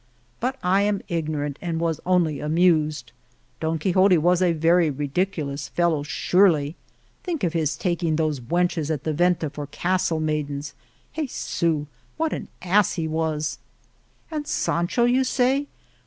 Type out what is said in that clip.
But I am ignorant and was only amused. Don Quixote was a very ridiculous fellow surely ! Think of his tak ing those wenches at the venta for castle maidens ! Jesit, what an ass he was !"And Sancho, you say?